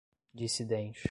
dissidente